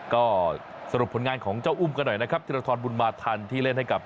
ก็สรุปผลงานของเจ้าอุ้มกันหน่อยนะครับธิรทรบุญมาทันที่เล่นให้กับ